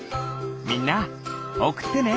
みんなおくってね！